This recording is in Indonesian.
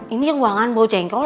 ini yang ruangan bau jengkol